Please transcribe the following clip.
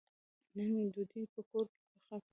نن مې ډوډۍ په کور کې پخه کړه.